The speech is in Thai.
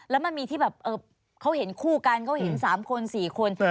แล้วมันมีที่แบบเขาเห็นคู่กันเขาเห็น๓คน๔คน